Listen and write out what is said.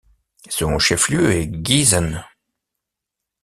Son chef-lieu est Giessen.